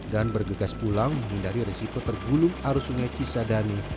dan bergegas pulang menghindari resiko tergulung arus sungai cisadane